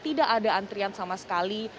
tidak ada antrian sama sekali